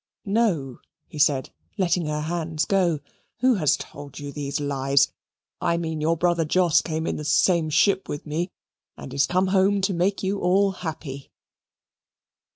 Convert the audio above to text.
"No," he said, letting her hands go: "Who has told you those lies? I mean, your brother Jos came in the same ship with me, and is come home to make you all happy."